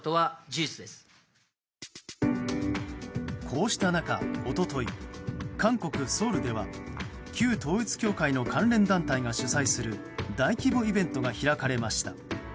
こうした中一昨日、韓国ソウルでは旧統一教会の関連団体が主催する大規模イベントが開かれました。